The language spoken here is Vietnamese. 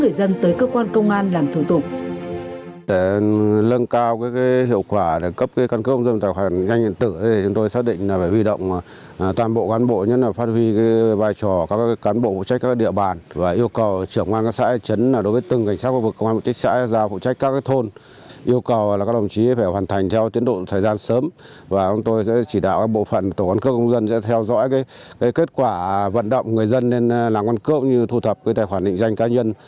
hướng dẫn người dân tới cơ quan công an làm thủ tục